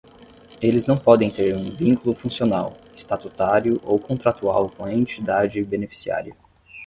Eles não podem ter um vínculo funcional, estatutário ou contratual com a entidade beneficiária.